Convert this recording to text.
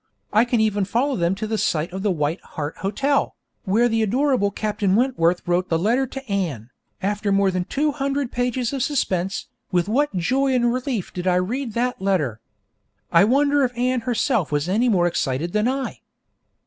I can even follow them to the site of the White Hart Hotel, where the adorable Captain Wentworth wrote the letter to Anne. After more than two hundred pages of suspense, with what joy and relief did I read that letter! I wonder if Anne herself was any more excited than I?